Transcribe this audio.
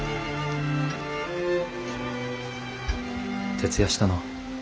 徹夜したの？